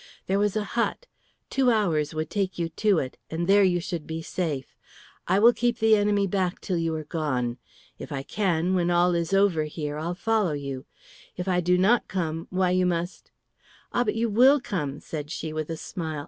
There was a hut; two hours would take you to it, and there you should be safe. I will keep the enemy back till you are gone. If I can, when all is over here I'll follow you. If I do not come, why, you must " "Ah, but you will come," said she, with a smile.